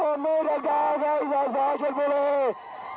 พรุ่งมีรักษาการในสาธิสาขวัดชนมุนี